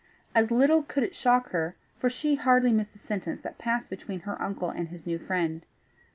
As little could it shock her, for she hardly missed a sentence that passed between her uncle and his new friend.